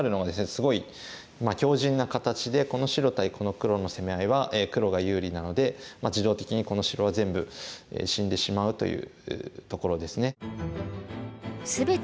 すごい強じんな形でこの白対この黒の攻め合いは黒が有利なので自動的にこの白は全部死んでしまうというところですね。